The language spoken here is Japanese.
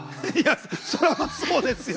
そりゃ、そうですよ。